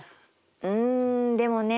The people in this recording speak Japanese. うんでもね